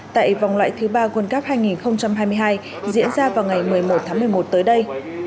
tại vòng loại thứ ba world cup hai nghìn hai mươi hai diễn ra vào ngày một mươi một tháng một mươi một tới đây